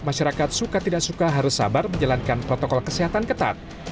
masyarakat suka tidak suka harus sabar menjalankan protokol kesehatan ketat